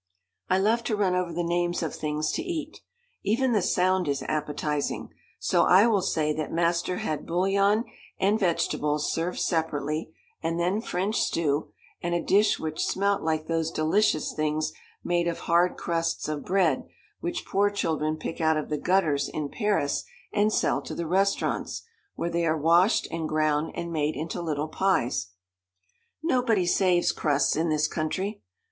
I love to run over the names of things to eat. Even the sound is appetising, so I will say that master had bouillon and vegetables served separately, and then French stew, and a dish which smelt like those delicious things made of hard crusts of bread, which poor children pick out of the gutters in Paris and sell to the restaurants, where they are washed and ground and made into little pies. Nobody saves crusts in this country.